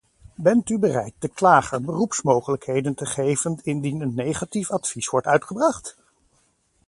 Bent u bereid de klager beroepsmogelijkheden te geven indien een negatief advies wordt uitgebracht?